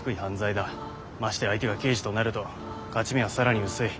ましてや相手が刑事となると勝ち目は更に薄い。